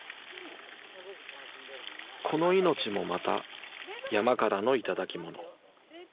この命もまた山からの頂き物。